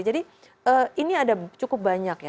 jadi ini ada cukup banyak ya